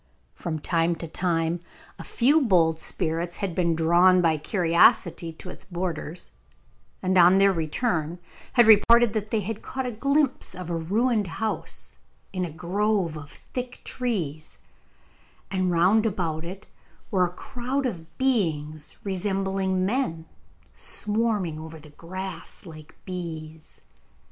From time to time a few bold spirits had been drawn by curiosity to its borders, and on their return had reported that they had caught a glimpse of a ruined house in a grove of thick trees, and round about it were a crowd of beings resembling men, swarming over the grass like bees.